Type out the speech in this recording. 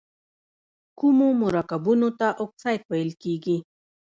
کومو مرکبونو ته اکساید ویل کیږي؟